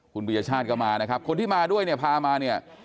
คุณปียชาติก็มานะครับคนที่มาด้วยเนี่ยพามาเนี่ย